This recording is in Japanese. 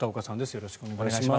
よろしくお願いします。